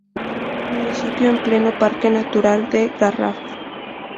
Municipio en pleno Parque Natural del Garraf.